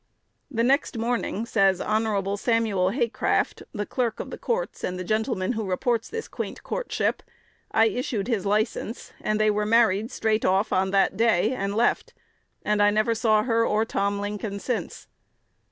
"The next morning," says Hon. Samuel Haycraft, the clerk of the courts and the gentleman who reports this quaint courtship, "I issued his license, and they were married straight off on that day, and left, and I never saw her or Tom Lincoln since."